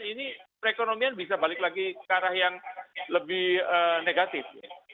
ini perekonomian bisa balik lagi ke arah yang lebih negatif